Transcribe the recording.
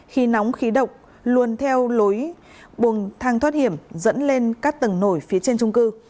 khi nóng khí độc luôn theo lối buồng thang thoát hiểm dẫn lên các tầng nổi phía trên trung cư